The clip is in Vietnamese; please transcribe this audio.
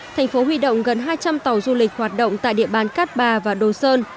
thành phố huy động gần hai trăm linh tàu du lịch hoạt động tại địa bàn cát bà và đồ sơn